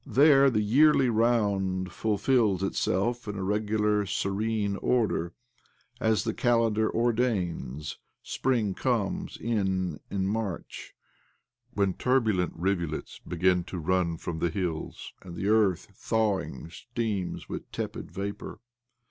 There the yearly round fulfils itself in a regular, serene order. As the calendar ordains, spring comes in in March, when turbid rivulets begin to run from the 7б OBLOMOV hills, arid the earth, thawing, steams with tepid vapour.